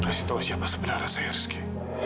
kasih tau siapa sebenarnya saya rizky